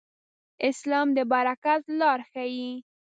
اسلام د برکت لار ښيي.